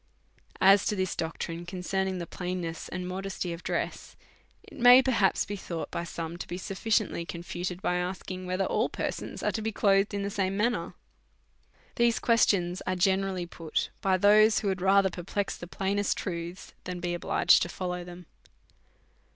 As to this doctrine concernino' the plainness and modesty of dress, it may perhaps be thought by some to be sufficiently confuted by asking, whether all per sons are to be clothed in the same manner? These questions are generally put by those who had rather perplex the plainest truths than be obliged to follow them.